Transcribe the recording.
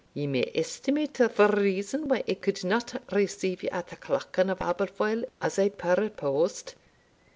Ye may estimate the reason why I could not receive you at the Clachan of Aberfoil as I purposed.